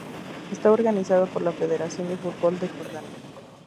Es organizada por la Federación de Fútbol de Jordania.